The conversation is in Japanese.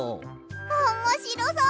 おもしろそう！